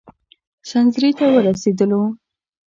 سنځري ته ورسېدلو.